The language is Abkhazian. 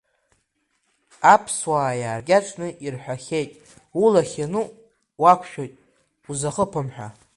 Аԥсуаа иааркьаҿны ирҳәахьеит улахь иану уақәшәоит, узахыԥом ҳәа.